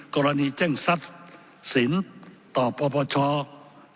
กรณีแจ้งทรัพย์สินต่อปปช